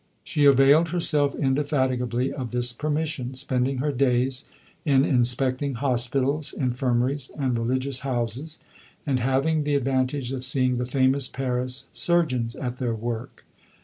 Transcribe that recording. She availed herself indefatigably of this permission, spending her days in inspecting hospitals, infirmaries, and religious houses, and having the advantage of seeing the famous Paris surgeons at their work.